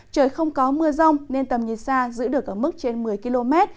trời không có mưa rông nên tầm nhìn xa giữ được ở mức trên một mươi km